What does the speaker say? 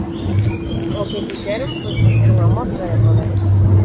O que quixeron foi facer unha mostra de poder.